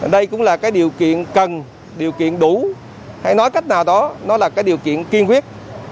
đây cũng là cái điều kiện cần điều kiện đủ hay nói cách nào đó nó là cái điều kiện kiên quyết